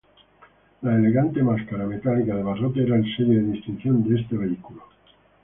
La elegante máscara metálica de barrotes era el sello de distinción de este vehículo.